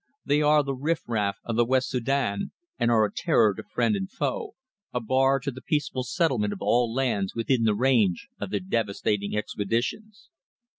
They are the riff raff of the West Soudan and are a terror to friend and foe, a bar to the peaceful settlement of all lands within the range of their devastating expeditions."